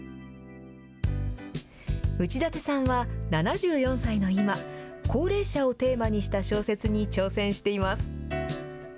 内館さんは、７４歳の今、高齢者をテーマにした小説に挑戦しています。